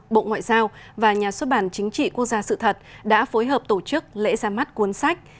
bộ ngoại giao và nhà xuất bản chính trị quốc gia sự thật đã phối hợp tổ chức lễ ra mắt cuốn sách